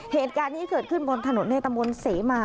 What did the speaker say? เหตุการณ์นี้เกิดขึ้นบนถนนในตำบลเสมา